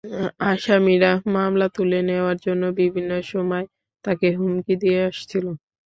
আসামিরা মামলা তুলে নেওয়ার জন্য বিভিন্ন সময় তাঁকে হুমকি দিয়ে আসছিল।